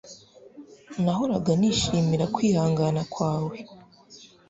Nahoraga nishimira kwihangana kwawe